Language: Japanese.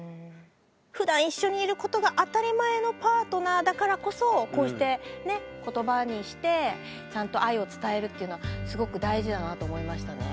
ふだん一緒にいることが当たり前のパートナーだからこそこうして言葉にしてちゃんと愛を伝えるっていうのはすごく大事だなと思いましたね。